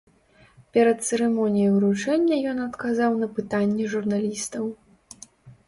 Перад цырымоніяй уручэння ён адказаў на пытанні журналістаў.